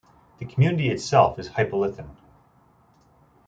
The community itself is the hypolithon.